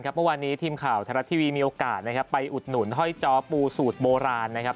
เมื่อวันนี้ทีมข่าวทลัททีวีมีโอกาสไปอุดหนุนห้อยเจ้าปูสูตรโบราณ